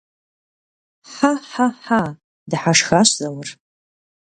Хьэ-хьэ-хьа! - дыхьэшхащ Заур.